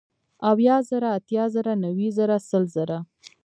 اويه زره ، اتيا زره نوي زره سل زره